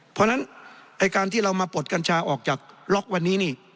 เพราะฉะนั้นไอ้การที่เรามาปลดกัญชาออกจากล็อกวันนี้นี่